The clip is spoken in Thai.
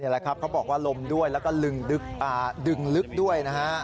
นี่แหละครับเขาบอกว่าลมด้วยแล้วก็ดึงลึกด้วยนะฮะ